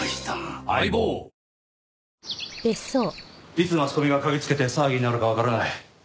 いつマスコミが嗅ぎつけて騒ぎになるかわからない。